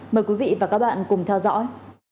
mời quý vị và các bạn cùng theo dõi